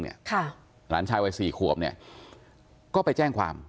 หลานชายวัยสี่ขวบเนี่ยก็ไปแจ้งความ